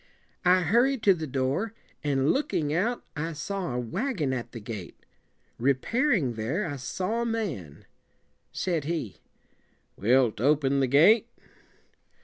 "'I hurried to the door, and, look ing out, I saw a wagon at the gate. Re pair ing there, I saw a man. Said he "Wilt open the gate?"